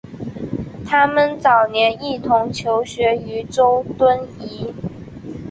他们早年一同求学于周敦颐。